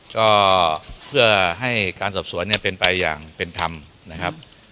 ก็เพื่อให้การสอบสวนเนี่ยเป็นไปอย่างเป็นธรรมนะครับ